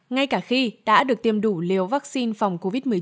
ngay cả khi đã được tiêm đủ liều vaccine phòng covid một mươi chín